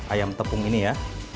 ayam tepung ini ya